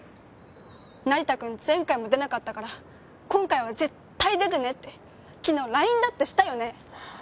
成田くん前回も出なかったから今回は絶対出てねってきのうＬＩＮＥだってしたよね